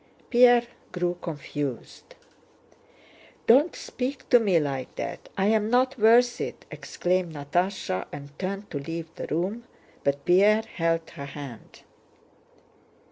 Pierre grew confused. "Don't speak to me like that. I am not worth it!" exclaimed Natásha and turned to leave the room, but Pierre held her hand.